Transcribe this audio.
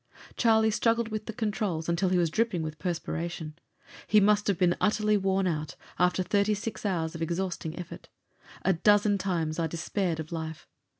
Charlie struggled with the controls until he was dripping with perspiration. He must have been utterly worn out, after thirty six hours of exhausting effort. A dozen times I despaired of life.